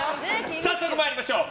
早速参りましょう。